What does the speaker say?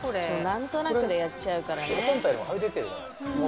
なんとなくでやっちゃうからね。